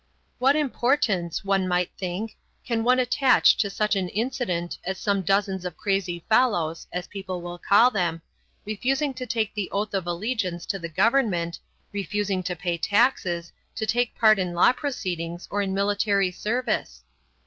What importance, one might think, can one attach to such an incident as some dozens of crazy fellows, as people will call them, refusing to take the oath of allegiance to the government, refusing to pay taxes, to take part in law proceedings or in military service?